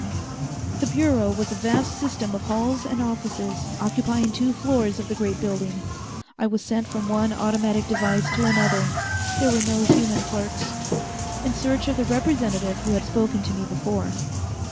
The Bureau was a vast system of halls and offices, occupying two floors of the great building. I was sent from one automatic device to another there were no human clerks in search of the representative who had spoken to me before.